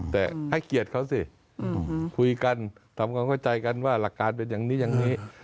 แต่ให้เกียรติเขาสิคุยกันทำความเข้าใจกันว่าหลักการเป็นอย่างนี้อย่างนี้